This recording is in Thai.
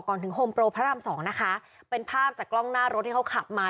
ก่อนถึงโฮมโปรพระรามสองนะคะเป็นภาพจากกล้องหน้ารถที่เขาขับมา